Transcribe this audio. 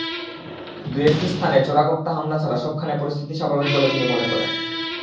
দু-একটি স্থানে চোরাগোপ্তা হামলা ছাড়া সবখানে পরিস্থিতি স্বাভাবিক বলে তিনি মনে করেন।